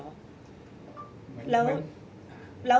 ก็ต้องฝากพี่สื่อมวลชนในการติดตามเนี่ยแหละค่ะ